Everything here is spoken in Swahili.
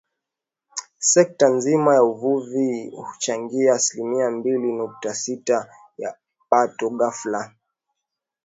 Sekta nzima ya uvuvi huchangia asilimia mbili nukta sita ya pato ghafi la Zanzibar